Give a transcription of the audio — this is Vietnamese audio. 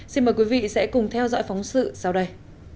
xin mời quý vị sẽ cùng theo dõi phóng sự sau đây